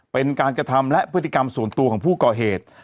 เป็นการกระทำและพฤติกรรมส่วนตัวของผู้ก่อเหตุ